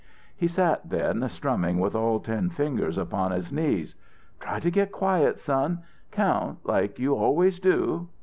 He sat then, strumming with all ten fingers upon his knees. "Try to get quiet, son. Count like you always do.